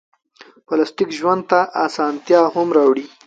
پلاستيک ژوند ته اسانتیا هم راوړي.